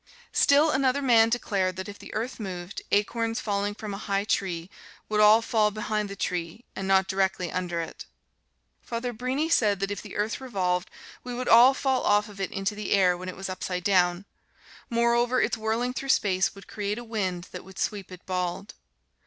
Still another man declared that if the earth moved, acorns falling from a high tree would all fall behind the tree and not directly under it. Father Brini said that if the earth revolved, we would all fall off of it into the air when it was upside down; moreover, its whirling through space would create a wind that would sweep it bald.